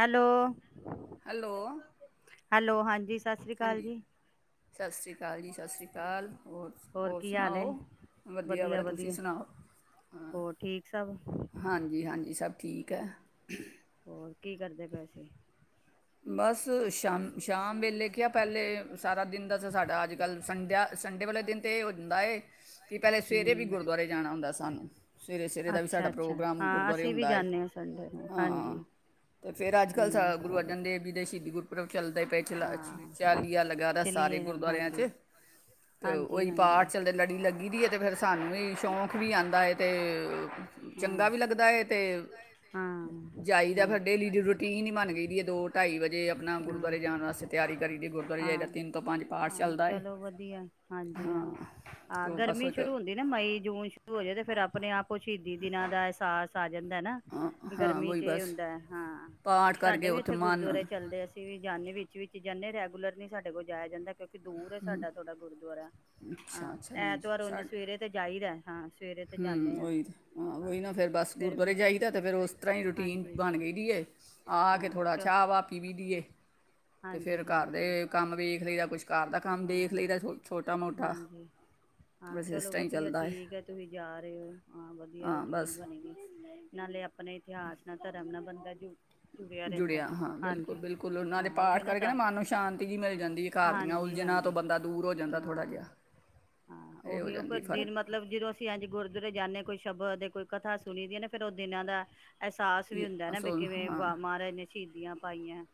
Hello, hello, ਹਾਂਜੀ ਹਾਂਜੀ, ਸਤਿ ਸ਼੍ਰੀ ਅਕਾਲ ਜੀ, ਸਤਿ ਸ਼੍ਰੀ ਅਕਾਲ। ਹੋਰ, ਹੋਰ ਸੁਣਾਓ, ਵਧੀਆ [unintelligible] ਤੁਸੀਂ ਸੁਣਾਓ ਹਾਂ ਹਾਂਜੀ-ਹਾਂਜੀ ਸਭ ਠੀਕ ਐ। ਹੋਰ ਕੀ ਕਰਦੇ ਪਏ ਸੀ? ਬਸ ਅ ਸ਼ਾਮ, ਸ਼ਾਮ ਵੇਲੇ ਕਿਹਾ ਪਹਿਲੇ ਸਾਰਾ ਦਿਨ ਦਾ ਸਾਡਾ ਅਜ ਕੱਲ ਸੰਡਾ ਸੰਡੇ ਵਾਲੇ ਦਿਨ ਤਾਂ ਇਹ ਹੁੰਦਾ ਏ ਕਿ ਪਹਿਲੇ ਸਵੇਰੇ ਵੀ ਗੁਰਦੁਆਰੇ ਜਾਣਾ ਹੁੰਦਾ ਸਾਨੂੰ, ਸਵੇਰੇ-ਸਵੇਰੇ ਦਾ ਵੀ ਸਾਡਾ ਪ੍ਰੋਗਰਾਮ ਗੁਰਦੁਆਰੇ ਹੁੰਦਾ ਏ, ਹਾਂ। ਫੇਰ ਅੱਜ ਕੱਲ ਸ ਗੁਰੂ ਅਰ ਜਨ ਦੇਵ ਜੀ ਦੇ ਸ਼ਹੀਦੀ ਗੁਰਪੁਰਬ ਚੱਲਦੇ ਪਏ, ਚਲਾ ਚਾਲੀਆ ਲੱਗਾ ਦਾ ਸਾਰੇ ਗੁਰਦੁਆਰਿਆਂ ਚ ਤੇ ਉਹੀ ਪਾਠ ਚੱਲਦੇ ਲੜੀ ਲੱਗੀ ਦੀ ਏ ਤੇ ਫਿਰ ਸਾਨੂੰ ਵੀ ਸ਼ੌਂਕ ਵੀ ਆਂਦਾ ਹੈ ਤੇ ਚੰਗਾ ਵੀ ਲੱਗਦਾ ਏ ਤੇ ਜਾਈ ਦਾ ਫਿਰ ਡੇ ਦੀ ਰੁਟੀਨ ਈ ਬਨ ਗਈ ਦੀ ਏ। ਹਾਂ, ਹਾਂ, ਹਾਂ ਚਲੋ ਵਧੀਆ ਹਾਂਜੀ-ਹਾਂਜੀ ਹਾਂ, ਗਰਮੀ ਸ਼ੁਰੂ ਹੁੰਦੀ ਨਾ ਮਈ ਜੂਨ ਸ਼ੁਰੂ ਹੋ ਜਾਵੇ ਤੇ ਫਿਰ ਆਪਣੇ ਆਪ ਸ਼ਹੀਦੀ ਦਿਨਾਂ ਦਾ ਅਹਿਸਾਸ ਜਾਂਦਾ ਨਾ, ਗਰਮੀ ਚ ਇਹ ਹੁੰਦਾ ਹਾਂ ਸਾਡੇ ਵੀ ਇੱਥੇ ਗੁਰਦੁਆਰੇ ਚੱਲਦੇ ਅਸੀਂ ਵੀ ਜਾਨੇ ਵਿੱਚ-ਵਿੱਚ ਜਾਨੇ, ਰੈਗੂਲਰਲ ਨੀ ਸਾਡੇ ਕੋਲ ਜਾਇਆ ਜਾਂਦਾ। ਕਿਉਂਕਿ ਦੂਰ ਹੈ ਸਾਡਾ ਥੋੜਾ ਗੁਰਦੁਆਰਾ, ਹਾਂ ਐਤਵਾਰ ਉਂਝ ਸਵੇਰੇ ਤੇ ਜਾਈਦਾ ਐ। ਹਾਂ। ਹੂੰ, ਉਹੀ, ਉਹੀ ਨਾ ਫੇਰ ਬਸ ਗੁਰਦੁਆਰੇ ਜਾਈਦਾ ਤੇ ਫੇਰ ਉਸ ਤਰ੍ਹਾਂ ਹੀ ਰੂਟੀਨ ਬਨ ਗਈ। [unintelligible] ਆ ਕੇ ਥੋੜ੍ਹਾ ਚਾਹ ਵਾਹ ਪੀਵੀ ਦੀ ਏ। ਤੇ ਫੇਰ ਘਰ ਦੇ ਕੰਮ ਵੇਖ ਲਈਦਾ, ਕੁਛ ਘਰ ਦਾ ਕੰਮ ਦੇਖ ਲਈਦਾ, ਛੋਟਾ ਮੋਟਾ ਬਸ ਇਸਤਾਂ ਹੀ ਚੱਲਦਾ ਏ। ਜਾ ਰਹੇ ਹੋ, ਹਾਂ ਵਧੀਆ ਰੂਟੀਨ ਬਣੀ ਦੀ ਨਾਲੇ ਅਪਨੇ ਇਤਿਹਾਸ ਨਾ, ਧਰਮ ਨਾ ਬਨ ਤਾਂ ਜੂ ਜੁੜਿਆ ਹਾਂ, ਬਿਲਕੁਲ-ਬਿਲਕੁਲ, ਔਰ ਨਾਲੇ ਉਹੀ ਨਾ ਤਾਂ, ਹਾਂਜੀ-ਹਾਂਜੀ, ਹਾਂ, ਹਾਂ ਉਹੀ, ਉਹ ਫਿਰ ਦਿਨ ਮਤਲਬ ਜਦੋਂ ਅਸੀਂ ਇੰਝ ਗੁਰਦੁਆਰੇ ਜਾਂਦੇ ਕੁਛ ਸ਼ਬਦ ਏ, ਕੋਈ ਕਥਾ ਸੁਨੀ ਦੀ ਹੈ ਨਾ ਫੇਰ ਉਹ ਦਿਨਾਂ ਦਾ ਅਹਿਸਾਸ ਵੀ ਹੁੰਦਾ ਐ ਨਾ ਵੀ ਕਿਵੇਂ ਵ ਮਹਾਰਾਜ ਨੇ ਸ਼ਹੀਦੀਆਂ ਪਾਈਆਂ।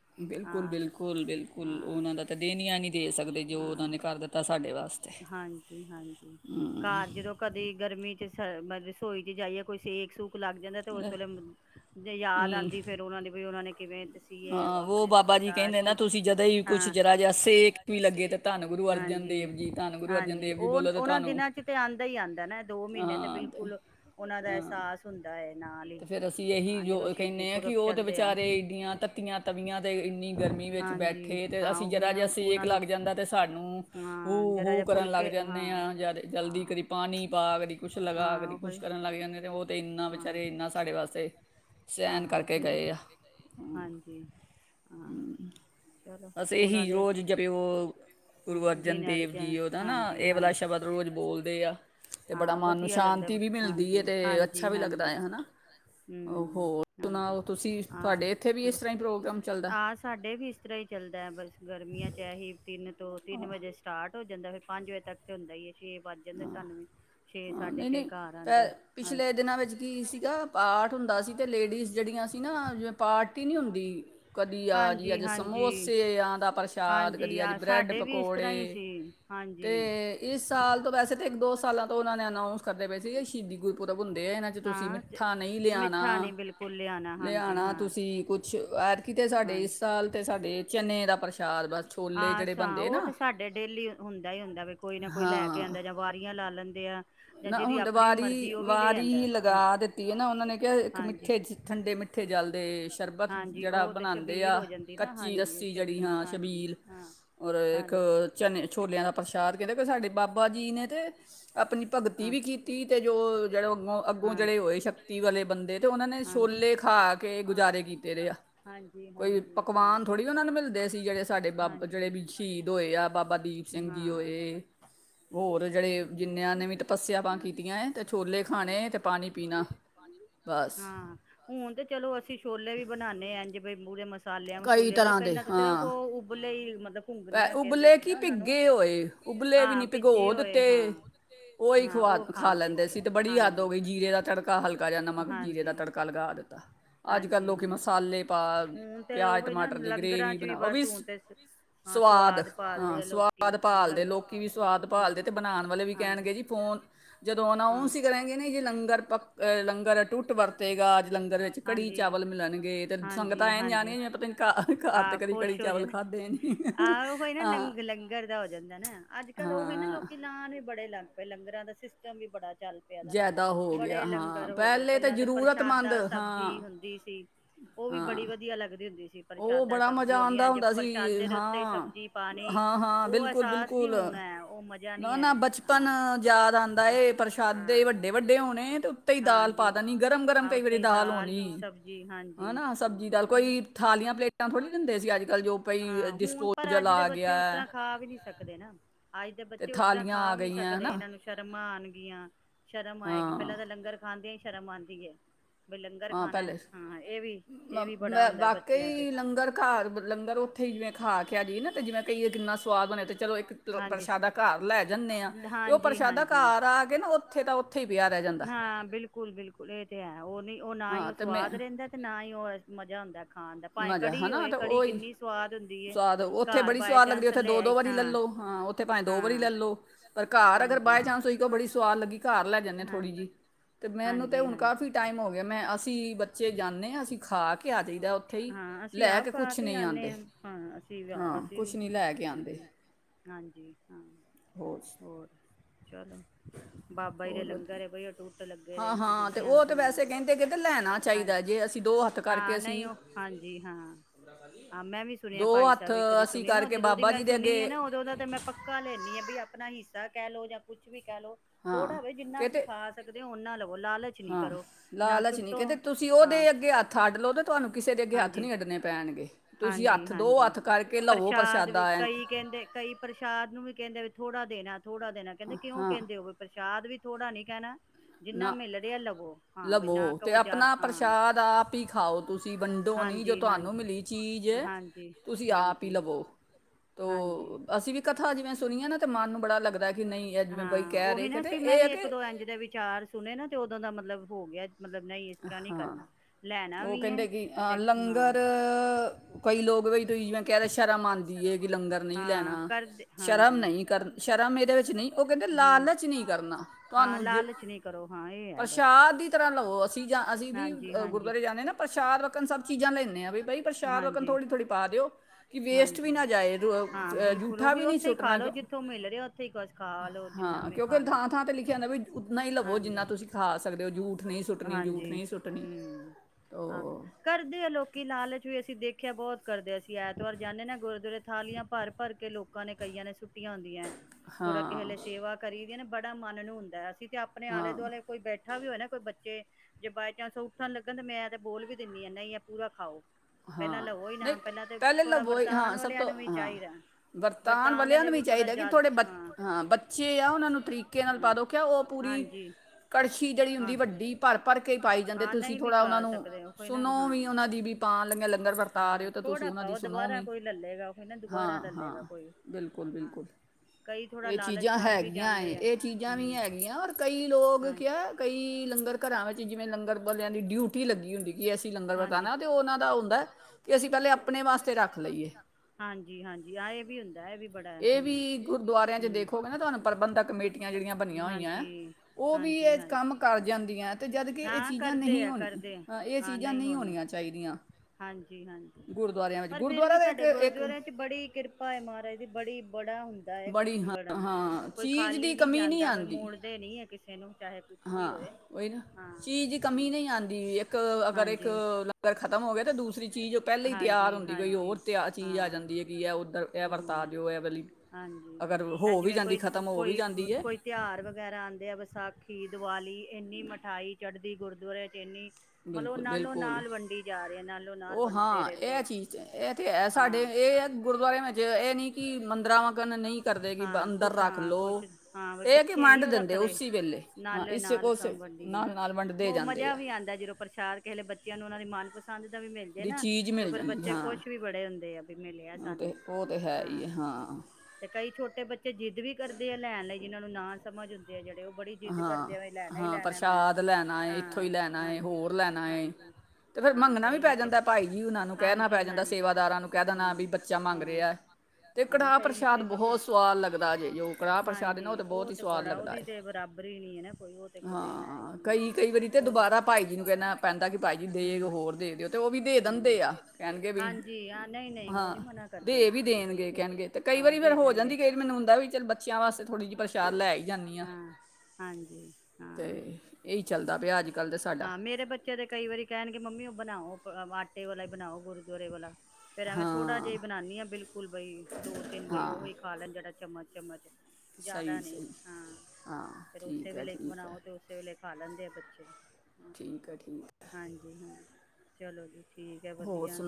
ਬਿਲਕੁਲ-ਬਿਲਕੁਲ, ਬਿਲਕੁਲ ਉਹਨਾਂ ਦਾ ਤਾਂ ਦੇਨੀਆਂ ਨਹੀਂ ਦੇ ਸਕਦੇ, ਜੋ ਉਹਨਾਂ ਨੇ ਕਰ ਦਿੱਤਾ ਸਾਡੇ ਵਾਸਤੇ। ਹੂੰ। [unintelligible] ਰਸੋਈ ਚ ਜਾਈਏ ਕੋਈ ਸੇਕ ਸੂਕ ਲੱਗ ਜਾਂਦਾ ਤੇ ਉਸ ਵੇਲੇੇ ਯਾਦ ਆਂਦੀ ਫੇਰ ਉਹਨਾਂ ਦੀ, ਬਈ ਉਹਨਾਂ ਨੇ ਕਿਵੇਂ ਤੁਸੀ ਇਹ ਅਪਨੇ ਤੇ ਬਰਦਾਸ਼ਤ ਕੀਤੀ, ਹਾਂ [inaudible] ਹਾਂਜੀ -ਹਾਂਜੀ ਉਹ ਉਹਨਾ ਦਿਨਾਂ 'ਚ ਤੇ ਆਉਂਦਾ ਹੀ ਆਉਂਦਾ ਨਾ ਦੋ ਮਹੀਨੇ ਤੇ ਬਿਲਕੁਲ ਉਹਨਾ ਦਾ ਇਹਸਾਸ ਹੁੰਦਾ ਏ। ਤੇ ਫੇਰ ਅਸੀਂ ਇਹੀ ਜੋ ਕਹਿੰਦੇ ਹਾਂ ਕਿ ਉਹ ਤੇ ਵਿਚਾਰੇ ਏਡੀਆਂ ਤੱਤੀਆਂ ਤਵੀਆਂ ਤੇ ਇੰਨੀ ਗਰਮੀ ਵਿੱਚ ਬੈਠੇ ਤੇ ਅਸੀਂ ਜਰਾ ਜਿਹਾ ਸੇਕ ਲੱਗ ਜਾਂਦਾ ਤੇ ਸਾਨੂੰ ਹੂ ਹੂ ਕਰਨ ਲੱਗ ਜਾਂਦੇ ਆ ਜ ਜਲਦੀ ਕਦੀ ਪਾਣੀ ਪਾ ਕਦੀ ਕੁਛ ਲਗਾ ਕਦੀ ਕੁਛ ਕਰਨ ਲੱਗ ਜਾਂਦੇ ਤੇ ਉਹ ਤੇ ਇੰਨਾ ਵਿਚਾਰੇ ਇੰਨਾ ਸਾਡੇ ਵਾਸਤੇ ਸਹਿਣ ਕਰਕੇ ਗਏ ਆ, ਹੂੰ ਹੂੰ ਬਸ ਇਹੀ ਰੋਜ਼ ਜਪਇਓ ਗੁਰੂ ਅਰਜਨ ਦੇਵ ਜੀ ਉਹ ਤਾਂ ਨਾ ਇਹਏ ਵੱਲਾ ਸ਼ਬਦ ਰੋਜ਼ ਬੋਲਦੇ ਆ ਤੇ ਬੜਾ ਮਨ ਨੂੰ ਸ਼ਾਂਤੀ ਵੀ ਮਿਲਦੀ ਹੈ ਤੇ ਜੀ ਹਾਂਜੀ। ਹਮ ਹਾਂਜੀ ਹਾਂ ਆਹ ਸਾਡੇ ਵੀ ਇਸ ਤਰ੍ਹਾਂ ਹੀ ਚੱਲਦਾ ਹੈ ਬਸ ਗਰਮੀਆਂ 'ਚ ਅਸੀ ਤਿੰਨ ਦੋ ਤਿੰਨ ਵਜੇ ਸਟਾਰਟ ਹੋ ਜਾਂਦਾ ਫਿਰ ਪੰਜ ਵਜੇ ਤੱਕ ਤੇ ਹੁੰਦਾ ਹੀ ਏ। ਛੇ ਵੱਜ ਜਾਂਦੇ ਸਾਨੂੰ ਵੀ ਛੇ ਸਾਢੇ ਛੇ ਘਰ ਆਉਂਦੇ ਹਾਂਜੀ। ਵਿੱਚ ਕੀ ਸੀਗਾ ਪਾਠ ਹੁੰਦਾ ਸੀ ਤੇ ਲੇਡੀਜ਼ ਜਿਹੜੀਆਂ ਸੀ ਨਾ ਜਿਵੇਂ ਪਾਰਟੀ ਨਹੀਂ ਹੁੰਦੀ ਕਦੀ ਆ ਜੀ ਅੱਜ ਸਮੋਸਿਆਂ ਦਾ ਪ੍ਰਸ਼ਾਦ ਕਦੀ ਅੱਜ ਬ੍ਰੈਡ ਪਕੌੜੇ ਤੇ ਇਸ ਸਾਲ ਵੈਸੇ ਇੱਕ ਦੋ ਸਾਲਾਂ ਤੋਂ ਉਹਨਾਂ ਨੇ ਅਨਾਊਂਸ ਕਰਦੇ ਪਏ ਸੀਗੇ ਸ਼ਹੀਦੀ ਗੁਰਪੁਰਬ ਹੁੰ ਇਹਨਾਂ ਚ ਤੁਸੀਂ ਮਿੱਠਾ ਨਹੀਂ ਲਿਆਣਾ। ਲਿਆਣਾ ਤੁਸੀਂ ਕੁਛ ਐ ਹਾਂਜੀ [inaudible] ਆ ਉਹ ਤੇ ਸਾਡੇ ਡੇਲੀ ਹੁੰਦਾ ਹੀ ਹੁੰਦਾ ਕੋਈ ਨਾ ਕੋਈ ਲੈ ਕੇ ਆਉਂਦਾ ਜਾਂ ਵਾਰੀ ਦੀਆਂ ਲਾ ਲੈਂਦੇ ਆ ਨਾ ਹੁਣ ਵਾਰੀ -ਵਾਰੀ ਹੀ ਲਗਾ ਦਿੱਤੀ ਹੈ ਨਾ ਉਹਨਾਂ ਨੇ ਕਿਹਾ ਇੱਕ ਮਿੱਠੇ ਜ ਠੰਡੇ ਮਿੱਠੇ ਜਲਦੇ ਸ਼ਰਬਤ ਜਿਹੜਾ ਬਣਾਉਂਦੇ ਆ ਕੱਚੀ ਲੱਸੀ ਜਿਹੜੀ ਹਾਂ ਛਬੀਲ ਔਰ ਇੱਕ ਚਨ ਛੋਲਿਆਂ ਦਾ ਪ੍ਰਸ਼ਾਦ ਕਹਿੰਦੇ ਕਿ ਸਾਡੇ ਬਾਬਾ ਜੀ ਨੇ ਤੇ ਆਪਣੀ ਭਗਤੀ ਵੀ ਕੀਤੀ ਤੇ ਜੋ ਜਿਹੜੇ ਅੱਗੋਂ ਅੱਗੋਂ ਜਿਹੜੇ ਹੋਏ ਸ਼ਕਤੀ ਵਾਲੇ ਬੰਦੇ ਤੇ ਉਹਨਾਂ ਨੇ ਛੋਲੇ ਖਾ ਕੇ ਗੁਜ਼ਾਰੇ ਕੀਤੇ ਦੇ ਆ। ਕੋਈ ਪਕਵਾਨ ਥੋੜ੍ਹੀ ਉਹਨਾਂ ਨੂੰ ਮਿਲਦੇ ਸੀ, ਜਿਹੜੇ ਸਾਡੇ ਬਾਬਾ ਜਿਹੜੇ ਵੀ ਸ਼ਹੀਦ ਹੋਏ ਆ ਬਾਬਾ ਦੀਪ ਸਿੰਘ ਜੀ ਹੋਏ, ਹੋਰ ਜਿਹੜੇ ਜਿੰਨਿਆਂ ਨੇ ਵੀ ਬਾਂ [unintelligible] ਕੀਤੀਆਂ ਤੇ ਛੋਲੇ ਖਾਣੇ ਅਤੇ ਪਾਣੀ ਪੀਣਾ ਬਸ [unintelligible] ਮਸਾਲਿਆਂ ਮਸੂਲਿਆਂ ਵਾਲੇ ਪਹਿਲਾਂ ਤਾਂ ਸਿਰਫ ਉਹ ਉਬਲੇ ਪੈ ਉਬਲੇ ਕੀ ਭਿੱਗੇ ਹੋਏ ਉਬਲੇ ਵੀ ਨੀ ਭਿਗੋ ਦਿੱਤੇ ਉਹੀ ਖਵਾ ਖਾ ਲੈਂਦੇ ਸੀ ਤੇ ਬੜੀ ਯਾਦ ਹੋ ਗਈ ਜੀਰੇ ਦਾ ਤੜਕਾ ਹਲਕਾ ਜਿਹਾ ਨਮਕ ਜੀਰੇ ਦਾ ਤੜਕਾ ਲਗਾ ਦਿੱਤਾ ਅੱਜ ਕੱਲ੍ਹ ਲੋਕੀ ਮਸਾਲੇ ਹੁਣ ਤੇ ਹੀ ਨਾ ਲੰਗਰਾਂ 'ਚ ਵੀ ਬਸ ਹੁਣ ਤੇ ਸਵਾਦ ਹਾਂ ਸਵਾਦ ਭਾਲਦੇ ਲੋਕ ਵੀ ਸੁਵਾਦ ਭਾਲਦੇ ਅਤੇ ਬਣਾਉਣ ਵਾਲੇ ਵੀ ਕਹਿਣਗੇ ਜੀ ਫੋਨ ਜਦੋਂ ਅਨਾਊਂਸ ਹੀ ਕਰੇਗੇ ਨਾ ਜੀ ਲੰਗਰ ਪੱਕ ਲੰਗਰ ਅਟੁੱਟ ਵਰਤੇਗਾ ਅੱਜ ਲੰਗਰ ਵਿੱਚ ਕੜੀ ਚਾਵਲ ਮਿਲਣਗੇ। ਤੇ ਸੰਗਤਾਂ ਐ ਨ ਜਾਣੀਆਂ ਜਿਵੇਂ ਪਤਾ ਨ ਘ ਘਰ ਤੇ ਕਰੀ ਕੜੀ ਚਾਵਲ ਖਾਧੇ ਨੀ [inaudible] ਆਹ ਉਹੀ ਨਾ ਲੰਗ ਲੰਗਰ ਦਾ ਹੋ ਜਾਂਦਾ ਨਾ ਅੱਜ ਕੱਲ ਉਹੀ ਨਾ ਲੋਕੀ ਲਾ ਬੜੇ ਲ ਲੰਗਰਾਂ ਦਾ ਸਿਸਟਮ ਵੀ ਬੜਾ ਚੱਲ ਪਿਆ ਨਾ ਬੜੇ ਲੰਗਰ ਹੋ ਗਏ ਪਹਿਲਾਂ ਤੇ ਪ੍ਰਸ਼ਾਦਾ ਸਬਜ਼ੀ ਹੁੰਦੀ ਸੀ। ਉਹ ਵੀ ਬੜੀ ਵਧੀਆ ਲੱਗਦੀ ਹਾਂਜੀ ਪ੍ਰਸ਼ਾਦਾ ਸਬਜ਼ੀ ਹੋਣੀ ਪ੍ਰਸ਼ਾਦੇ ਦੇ ਉੱਤੇ ਸਬਜ਼ੀ ਪਾਣੀ ਉਹ ਇਹ ਸਾਫ ਨੀ ਹੋਣਾ, ਉਹ ਮਜਾ ਨੀ ਹੈ। ਹ ਹ ਹਾਂਜੀ ਆ ਉਤੇ ਦਾਲ ਵੀ ਸਬਜੀ ਹਾਂਜੀ ਸਬਜ਼ੀ ਦਲ ਕੋਈ ਆ ਪਲੇਟਾਂ ਥੋੜ੍ਹੀ ਦਿੰਦੇ ਸੀ, ਅੱਜ ਕੱਲ ਜੋ ਪਈ ਡਿਸਪੋਜਲ ਆ ਗਿਆ। ਸਕਦੇ ਨਾ। ਅੱਜ ਦੇ ਬੱਚੇ ਉਸ ਤਰ੍ਹਾਂ ਖਾ ਵੀ ਨੀ ਸਕਦੇ, ਇਹਨਾਂ ਨੂੰ ਸ਼ਰਮਾ ਗੀਆਂ ਸ਼ਰਮ ਆਏਗੀ ਪਹਿਲਾਂ ਤਾਂ ਲੰਗਰ ਖਾਂਦੇਿਆਂ ਹੀ ਸ਼ਰਮ ਆਉਂਦੀ ਹੈ। ਵੀ ਲੰਗਰ ਖਾਣਾ ਹਾਂ। ਇਹ ਵੀ, ਵਾਕਈ ਲੰਗਰ ਘਰ ਲੰਗਰ ਉੱਥੇ ਹੀ ਜਿਵੇਂ ਖਾ ਕੇ ਆ ਜੀ ਨਾ ਤੇ ਜਿਵੇਂ ਕਹੀਏ ਕਿੰਨਾ ਸਵਾਦ ਬੜਾ ਤੇ ਚਲੋ ਇੱਕ ਪ੍ਰਸ਼ਾਦਾ ਘਰ ਲੈ ਜਾਂਦੇ ਹਾਂ, ਅਤੇ ਉਹ ਪ੍ਰਸ਼ਾਦਾ ਘਰ ਆ ਕੇ ਨਾ ਉੱਥੇ ਤਾਂ ਉੱਥੇ ਹੀ ਪਿਆ ਰਹਿ ਜਾਂਦਾ। ਉਹ ਨਾ ਹੀ ਉਹ ਸਵਾਦ ਰਹਿੰਦਾ ਤੇ ਨਾ ਹੀ ਉਹ ਮਜ਼ਾ ਆਦਾ ਖਾਣ ਦਾ, ਭਾਵੇਂ ਕੜੀ ਹੋਏ ਕੜੀ ਕਿੰਨੀ ਸਵਾਦ ਹੁੰਦੀ ਘਰ ਬਾਏ ਚਾਂਸ ਲੈਈ ਹਾਂ। ਹਾਂ। ਉੱਥੇ ਭਾਵੇਂ ਦੋ ਵਾਰੀ ਲੈ ਲਓ ਪਰ ਘਰ ਅਗਰ ਬਾਏ ਚਾਂਸ ਹੋਈ ਕੋ ਉਹ ਬੜੀ ਸਵਾਦ ਲੱਗੀ ਘਰ ਲੈ ਜਾਂਦੇ ਹਾਂ ਥੋੜ੍ਹੀ ਜਿਹੀ ਤੇ ਮੈਨੂੰ ਤਾਂ ਹੁਣ ਕਾਫੀ ਟਾਈਮ ਹੋ ਗਿਆ ਮੈਂ ਅਸੀਂ ਬੱਚੇ ਜਾਂਦੇ ਹਾਂ ਅਸੀਂ ਖਾ ਕੇ ਆ ਜਾਈਦਾ ਹਾਂ। ਅਸੀਂ ਆਪ ਪਵਾ ਕੇ ਲਿਉਂਦੇ ਹਾਂ। ਹਾਂ ਅਸੀਂ ਵੀ ਅਸੀਂ ਵੀ ਹ ਹਾਂਜੀ ਹਾਂ ਹੋਰ ਚਲੋ, ਬਾਬਾ ਜੀ ਦੇ ਲੰਗਰ ਬਈ ਉਹ ਅਟੂਟ ਲੱਗੇ ਦੁਨੀਆਂ ਹਾਂ। ਹਾਂ ਨਹੀਂ ਉਹ ਹਾਂਜੀ ਹਾਂ ਹਾਂ ਮੈਂ ਵੀ ਸੁਣਿਆ ਭਾਈ ਸਾਹਿਬ ਇੱਕ ਦੀ ਸੁਣੀ ਨਾ ਜਦੋਂ ਦੀ ਮੈਂ ਸੁਣੀ ਆ ਨਾ ਉਹਦਾ ਤੇ ਮੈਂ ਪੱਕਾ ਲੈਂਦੀ ਹਾਂ ਬਈ ਆਪਣਾ ਇ ਹਿੱਸਾ ਕਹਿ ਲਓ ਜਾਂ ਕੁੱਛ ਵੀ ਕਹਿ ਲੋ, ਥੋੜਾ ਵੀ ਜਿੰਨਾ ਅਸੀਂ ਖਾ ਸਕਦੇ ਹ ਓਨਾ ਲਵੋ ਲਾਲਚ ਨੀ ਕਰੋ ਨਾ ਸੁੱਟੋ ਹਾਂ ਹਾਂਜੀ ਹਾਂਜੀ ਹਾਂਜੀ ਪ੍ਰਸ਼ਾਦ ਵੀ ਕਈ ਕਹਿੰਦੇ ਪ੍ਰਸ਼ਾਦ ਨੂੰ ਵੀ ਕਹਿੰਦੇ ਵੀ ਥੋੜਾ ਦੇਣਾ ਥੋੜਾ ਦੇਣਾ ਕਹਿੰਦੇ ਕਿਉਂ ਕਹਿੰਦੇ ਹੋਵੇ ਪ੍ਰਸ਼ਾਦ ਵਿੱਚ ਥੋੜ੍ਹਾ ਨੀ ਕਹਿਣਾ ਨਾ - ਲਵੋ ਤੇ ਆਪਣਾ ਪ੍ਰਸ਼ਾਦ ਆਪ ਹੀ ਖਾਓ ਤੁਸੀਂ ਵੰਡੋ ਨਹੀਂ ਜੋ ਤੁਹਾਨੂੰ ਮਿਲੀ ਚੀਜ਼ ਤੁਸੀਂ ਆਪ ਹੀ ਲਵੋ ਤੋ ਅਸੀਂ ਵੀ ਕਥਾ ਜਿਵੇਂ ਸੁਣੀਏ ਨਾ ਤਾਂ ਮਨ ਨੂੰ ਬੜਾ ਲੱਗਦਾ ਕਿ ਨਹੀਂ ਜਿਵੇਂ ਬਾਈ ਕਹਿ ਰਹੇ ਕਿ ਇਹ ਹੈ ਕਿ ਵਿਚਾਰ ਸੁਣੇ ਨਾ ਤੇ ਉਦੋਂ ਦਾ ਮਤਲਬ ਹੋ ਗਿਆ ਹਾਂ ਉਹ ਕਹਿੰਦੇ ਕਿ ਹਾਂ ਲੰਗਰ ਕਈ ਲੋਕ ਵੀ ਤੁ ਜਿਵੇਂ ਕਹਦੇ ਸ਼ਰਮ ਆਉਂ ਹੈ ਕਿ ਲੰਗਰ ਨਹੀਂ ਲੈਣਾ ਕਰਦੇ ਹਾਂਜੀ [inaudible] ਹਾਂ ਲਾਲਚ ਨੀ ਕਰੋ ਹਾਂ ਇਹ ਹੈ ਬਸ ਚੀਜ਼ਾਂ ਅਸੀਂ ਵੀ ਅ ਗੁਰਦੁਆਰੇ ਜਾਂਦੇ ਹ ਨਾ ਪ੍ਰਸ਼ਾਦ ਵਕਣ ਸਭ ਚੀਜ਼ਾਂ ਲੈਂਦੇ ਹਾਂ ਵੀ ਬਾਈ ਪ੍ਰਸ਼ਾਦ ਵਕਣ ਥੋੜ੍ਹੀ ਥੋੜ੍ਹੀ ਪਾ ਦਿਓ ਕਿ ਵੇਸਟ ਵੀ ਨਾ ਜਾਏ ਰੂਅ ਅ ਜੂ ਝੂਠਾ ਵੀ ਨਹੀਂ ਸੁੱਟਣਾ ਕਿਉਂ ਹਾਂ ਕਿਉਂਕਿ ਥਾਂ ਥਾਂ 'ਤੇ ਲਿਖਿਆ ਹੁੰਦਾ ਵੀ ਉਨਾ ਹੀ ਲਵੋ ਜਿੰਨਾ ਤੁਸੀਂ ਖਾ ਸਕਦੇ ਹੋ ਜੂਠ ਨਹੀਂ ਸੁੱਟ ਹਾਂਜੀ ਹਮ ਆਹ ਕਰਦੇ ਆ ਲੋਕੀ ਲਾਲਚ ਵੀ ਅਸੀਂ ਦੇਖਿਆ ਬਹੁਤ ਕਰਦੇ ਅਸੀਂ ਐਤਵਾਰ ਜਾਂਦੇ ਨਾ ਗੁਰਦੁਆਰੇ ਥਾਲੀਆਂ ਭਰ ਭਰ ਕੇ ਲੋਕ ਲੋਕਾਂ ਨੇ ਕਈਆਂ ਨੇ ਸੁੱਟੀਆਂ ਹੁੰਦੀਆਂ ਥੋੜਾ ਕਿਸੇਲੇ ਸੇਵਾ ਕਰੀ ਬੜਾ ਮਨ ਨੂੰ ਹੁੰਦਾ ਹੈ ਅਸੀਂ ਤੇ ਆਪਣੇ ਆਲੇ ਦੁਆਲੇ ਕੋਈ ਬੈਠਾ ਵੀ ਹੋਏ ਨਾ ਕੋਈ ਬੱਚੇ ਜੇ ਬਾਈ ਚਾਂਸ ਉੱਠਣ ਲੱਗਣ ਤੇ ਮੈਂ ਤੇ ਬੋਲ ਵੀ ਦਿੰਦੀ ਆ ਨਹੀਂ ਆ ਪੂਰਾ ਖਾਓ ਪਹਿਲਾਂ ਲਵੋ ਹੀ ਨਾ ਪਹਿਲਾਂ ਤੇ ਥੋੜਾ ਵਰਤਉਣ ਵਾਲਿਆਂ ਨੂੰ ਵੀ ਚਾਹੀਦਾ ਵਰਤਾਨ ਵਾਲਿਆਂ ਨੂੰ ਵੀ ਚਾਹੀਦਾ ਕਿ ਥੋੜੇ ਬਚ ਹਾਂ ਬੱਚੇ ਆ ਉਹਨਾਂ ਨੂੰ ਤਰੀਕੇ ਨਾਲ ਪਾ ਦਉ ਕ ਉਹ ਪੂਰੀ ਕੜਛੀ ਜਿਹੜੀ ਹੁੰਦੀ ਵੱਡੀ ਭਰ ਭਰ ਕੇ ਪਾਈ ਜਾਂਦੇ ਤੁਸੀਂ ਥੋੜ੍ਹਾ ਉਹ ਨੂੰ ਸੁਣੋ ਵੀ ਉਹਨਾਂ ਦੀ ਵੀ ਪਾਣ ਲੱਗਿਆ ਲੰਗਰ ਵਰਤਾ ਰਹੇ ਹੋ ਤਾਂ ਤੁਸੀਂ ਉਹਨਾਂ ਦੀ ਸੁਣੋ ਵੀ ਹਾਂ ਹਾਂ ਬਿਲਕੁਲ ਬਿਲਕੁਲ ਇਹ ਚੀਜ਼ਾਂ ਹੈਗੀਆਂ ਏ ਇਹ ਚੀਜ਼ਾਂ ਵੀ ਹੈਗੀਆਂ ਔਰ ਕਈ ਲੋਕ ਕ ਕਈ ਲੰਗਰ ਘਰਾਂ ਵਿੱਚ ਜਿਵੇਂ ਲੰਗਰ ਲੰਗਰ ਵਾਲਿਆਂ ਦੀ ਡਿਊਟੀ ਲੱਗੀ ਹੁੰਦੀ ਐ ਕਿ ਅਸੀ ਲੰਗਰ ਬਰਤਾਨੇ [inaudible] ਹਾਂਜੀ ਹਾਂਜੀ ਆਹ ਇਹ ਵੀ ਹੁੰਦਾ ਹੈ ਇਹ ਵੀ ਗੁਰਦੁਆਰਿਆਂ ਚ' ਦੇਖੋਗੇ ਨਾ ਤੁਹਾਨੂੰ ਪ੍ਰਬੰਧਕ ਕਮੇਟੀਆਂ ਜਿਹੜੀਆਂ ਬਣੀਆਂ ਹੋਈਆਂ ਹੈ ਉਹ ਵੀ ਇਹ ਕੰਮ ਕਰ ਜਾਂਦੀਆਂ ਤੇ ਜਦਕਿ ਇਹ ਚੀਜ਼ਾਂ ਨਹੀ ਕਰਦੇ ਆ ਕਰਦੇ ਆ ਹਾਂ ਨਹੀਂ ਹੋਣੀ ਹਾਂਜੀ ਹਾਂਜੀ ਪਰ ਫਿਰ ਵੀ ਸਾਡੇ ਗੁਰਦੁਆਰਿਆਂ ਚ ਬੜੀ ਕਿਰਪਾ ਹੈ ਮਹਾਰਾਜ ਦੀ ਬੜੀ ਬੜਾ ਹੁੰਦਾ ਹੈ ਬੜਾ ਕੋਈ ਖਾਲੀ ਨੀ ਜਾਂਦਾ ਮ ਮੋੜਦੇ ਨੀ [unintelligible] ਹਾਂ ਉਹੀ ਨਾ। ਚੀਜ਼ ਦੀ ਕਮੀ ਨਹੀਂ ਆਉਂਦੀ। ਦੀ ਇੱਕ ਅਗਰ ਇੱਕ ਲਗਰ ਖਤਮ ਹੋ ਗਿਆ ਤਾਂ ਦੂਸਰੀ ਚੀਜ਼ ਉਹ ਪਹਿਲਾਂ ਹੀ ਤਿਆਰ ਹੁੰਦੀ ਕੋਈ ਹੋਰ ਤਿਆ ਚੀਜ਼ ਆ ਜਾਂਦੀ ਹੈ। ਕਿ ਇਹ ਉਧਰ ਇਹ ਵਰਤਾ ਦਿਓ ਇਹ ਅਗਰ ਹੋ ਵੀ ਜਾਂਦੀ ਖਤਮ ਹੋ ਵੀ ਜਾਂਦੀ ਏ। ਦੀਵਾਲੀ ਇੰਨੀ ਮਿਠਾਈ ਚੜ੍ਹਦੀ ਗੁਰਦੁਆਰੇ ਚੰਨੀ ਬਿਲਕੁ, ਬਿਲਕੁਲ ਉਹ ਹਾਂ ਇਹ ਚੀਜ਼ ਇਹ ਤਾਂ ਹੈ ਸਾਡੇ ਇਹ ਹੈ ਗੁਰਦੁਆਰਿਆਂ ਵਿੱਚ ਇਹ ਨਹੀਂ ਕਿ ਮੰਦਰਾਂਵਾਂਗਨ ਨਹੀਂ ਕਰਦੇ ਕਿ ਅੰਦਰ ਰੱਖ ਲਉ ਇਹ ਕਿ ਵੰਡ ਦਿੰਦੇ ਉਸੇ ਵੇਲੇ ਹਾਂ ਇਸ ਉਸ ਨਾਲ ਨਾਲ ਵੰਡਦੇ ਜਾਂਦੇ। ਵੀ ਆਉਂਦਾ ਜਦੋਂ ਛਾਦਹਿਲੇ ਬੱਚਿਆਂ ਨੂੰ ਉਹਨਾਂ ਦੀ ਮਨ ਪਸੰਦ ਦਾ ਵੀ ਮਿਲਦੇ ਨਾ। ਤੇ ਫਰ ਬੱਚੇ ਕੁਛ ਵੀ ਬੜੇ ਹੁੰਦੇ ਆ। ਤੇ ਉਹ ਤੇ ਹੈ ਹੀ ਹੈ। ਹਾਂ ਤੇ ਬੱਚੇ ਜਿੱਦ ਵੀ ਕਰਦੇ ਆ ਲੈਣ ਲਈ ਜਿਹਨਾਂ ਨੂੰ ਨਾ ਸਮਝ ਹੁੰਦੇ ਆ ਜਿਹੜੇ ਉਹ ਬੜੀ ਜਿੱਦ ਕਰਦੇ ਆ ਲੈਣਾ ਹੀ ਲੈਣਾ ਮੈਂ ਹਾਂ। ਹੋਰ ਲੈਣਾ ਏ ਤੇ ਫੇਿਰ ਮੰਗਣਾ ਵੀ ਪੈ ਜਾਂਦਾ ਭਾਈ ਜੀ ਉਹਨਾਂ ਨੂੰ ਕਹਿਣਾ ਪੈ ਜਾਂਦਾ ਸੇਵਾਦਾਰਾਂ ਨੂੰ ਕਹਿ ਦੇਣਾ ਵੀ ਬੱਚਾ ਮੰਗ ਰਿਹਾ ਤੇ ਕੜਾਹ ਪ੍ਰਸ਼ਾਦ ਬਹੁਤ ਸਵਾਦ ਲੱਗਦਾ ਜੇ ਜੋ ਕੜਾਹ ਪ੍ਰਸ਼ਾਦ ਨਾ ਉਹ ਤੇ ਬਹੁਤ ਹੀ ਸਵਾਦ ਲੱਗਦਾ ਹੈਏ। ਬਰੀਣੀ ਨਾ ਕੋਈ ਉਹ ਤੇ ਕਿਤੇ ਹੈ ਹੀ? ਨੀ ਉਹ ਤੇ ਭਾਈ ਜੀ ਨੂੰ ਕਹਿਿੰਣਾ ਪੈਂਦਾ ਕਿ ਭਾਈ ਜੀ ਦੇ ਹੋਰ ਦੇ ਦਿਓ ਤੇ ਉਹ ਵੀ ਦੇ ਦਿੰਦੇ ਆ ਕਹਿਣਗੇ ਵੀ ਹਾਂ ਦੇ ਵੀ ਦੇਣਗੇ ਕਹਿਣਗੇ ਤੇ ਕਈ ਵਾਰੀ ਫੇਿਰ ਹੋ ਜਾਂਦੀ ਕਈ ਮੈਨੂੰ ਹੁੰਦਾ ਵੀ ਚੱਲ ਬੱਚਿਆਂ ਵਾਸਤੇ ਥੋੜ੍ਹੀ ਜਿਹੀ ਪ੍ਰਸ਼ਾਦ ਲੈ ਹੀ ਜਾਂਦੀ ਆ। ਹਾਂਜੀ ਹਾਂ। ਅੱਛਾ। ਹਾਂ ਮੇਰੇ ਬੱਚੇ ਦੇ ਕਈ ਵਾਰੀ ਕਹਿਣਗੇ ਮੰਮੀ ਉਹ ਬਣਾਓ। ਆਟੇ ਵਾਲਾ ਬਣਾਓ ਗੁਰਦੁਆਰੇ ਵਾਲਾ। ਫੇਰ ਐਵੇਂ ਥੋੜਾ ਜਿਹੀ ਬਣਾਉਾਨਦੀ ਆਾਂ ਬਿਲਕੁਲ ਬਈ ਦੋ ਤਿੰਨ ਬਈ ਉਹੀ ਖਾ ਲੈਣ ਜਿਹੜਾ ਚਮਚ ਚਮਚ। ਜ਼ਿਆਦਾ ਨੀ ਹਾਂ ਫਿਰ ਉਸੇ ਵੇਲੇ ਬਣਾਓ ਤੇ ਉਸੇ ਵੇਲੇ ਪਾ ਲੈਂਦੇ ਆ ਬੱਚੇ। ਹ--ਹਾਂਜੀ, ਹਾਂਜੀ। ਚਲੋ ਜੀ। ਠੀਕ ਹੈ ਵਧੀਆ।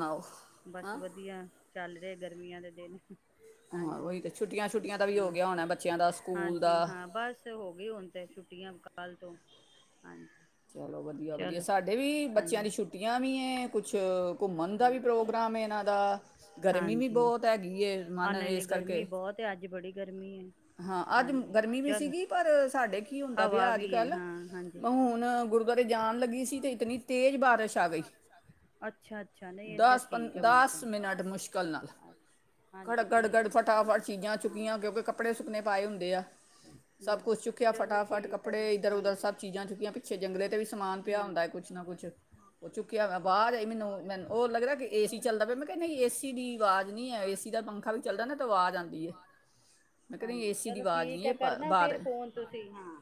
ਬਸ ਵਧੀਆ। ਚੱਲ ਰਹੇ ਗਰਮੀਆਂ ਦੇ ਦਿਨ। ਹਾਂਜੀ ਹਾਂ ਹਾਂਜੀ ਹਾਂ ਬਸ ਹੋ ਗਈ ਹੁਣ ਤੇ ਛੁੱਟੀਆਂ ਕੱਲ੍ਹ ਤੋਂ। ਹਾਂਜੀ। ਚਲੋ ਵਧੀਆ, ਵਧੀਆ। ਸਾਡੇ ਵੀ ਬੱਚਿਆਂ ਦੀ ਛੁੱਟੀਆਂ ਵੀ ਹੈ ਕੁਛ ਘੁੰਮਣ ਦਾ ਵੀ ਪ੍ਰੋਗਰਾਮ ਹੈ। ਇਹਨਾਂ ਦਾ ਗਰਮੀ ਵੀ ਬਹੁਤ ਹੈਗੀ। ਮਨ ਇਸ ਕਰਕੇ ਹਾਂ ਅੱਜ ਗਰਮੀ ਵੀ ਸੀਗੀ ਪਰ ਸਾਡੇ ਕੀ ਹੁੰਦਾ ਪਿਆ ਅੱਜ ਕੱਲ ਹੁਣ ਗੁਰੂ ਜਾਣ ਲੱਗੀ ਸੀ ਤੇ ਇਤਨੀ ਤੇਜ਼ ਬਾਰਿਸ਼ ਆ ਗਈ ਦਸ ਪੰ ਦਸ ਮਿੰਟ ਮੁਸ਼ਕਿਲ ਨਾਲ ਖੜ ਗੜਗੜ ਫਟਾਫਟ ਚੀਜ਼ਾਂ ਚੁੱਕੀਆਂ ਕਿਉਂਕਿ ਕੱਪੜੇ ਸੁੱਕੇ ਪਾਏ ਹੁੰਦੇ ਆ ਸਭ ਕੁੱਛ ਚੁੱਕਿਆ ਫਟਾਫਟ ਕੱਪੜੇ ਇੱਧਰ ਉੱਧਰ ਸਭ ਚੀਜ਼ਾਂ ਚੁੱਕੀਆਂ ਪਿੱਛੇ ਜੰਗਲੇ ' ਵੀ ਸਮਾਨ ਚੁੱਕਿਆ ਹੁੰਦਾ ਕੁਛ ਨਾ ਕੁਛ ਉਹ ਚੁੱਕਿਆ ਆਵਾਜ਼ ਆ ਮੈਨੂੰ ਮੈੂੰ ਉਹ ਲੱਗਦਾ ਏਸੀ ਚੱਲਦਾ ਪਿਆ ਮੈਂ ਕਹਿੰ ਏਸੀ ਦੀ ਆਵਾਜ਼ ਨੀ ਹੈ ਏਸੀ ਦਾ ਪੰਖਾ ਵੀ ਚੱਲਦਾ ਨਾ ਤੇ ਆਵਾਜ਼ ਆਉਂਦੀ ਹੈ ਹਾਂਜੀ ਚਲੋ ਠੀਕ ਹੈ ਕਰਨਾ ਫਿਰ ਫੋਨ ਤੁਸੀਂ ਹਾਂ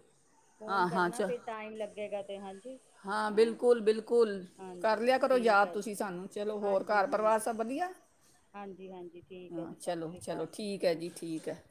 ਫੋਨ ਕਰਨਾ ਫਿਰ ਟਾਈਮ ਲੱਗੇਗਾ ਤੇ ਹਾਂਜੀ ਹਾਂ ਬਿਲਕੁਲ ਬਿਲਕੁਲ ਕਰ ਲਿਆ ਕਰੋ ਯਾਦ ਤੁਸੀਂ ਸਾਨੂੰ ਚਲੋ ਹੋਰ ਘਰ ਪਰਿਵਾਰ ਸਭ ਵਧੀਆ ਹਾਂ ਚਲੋ ਚਲੋ ਠੀਕ ਹੈ ਜੀ ਠੀਕ ਹੈ